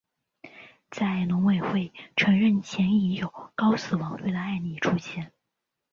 在农委会承认前已有高死亡率的案例出现。